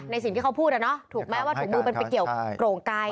ในสิ่งที่เขาพูดนะถูกไหมว่าถุงมือเป็นไปเกี่ยวกรงไกล